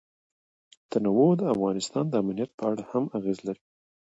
تنوع د افغانستان د امنیت په اړه هم اغېز لري.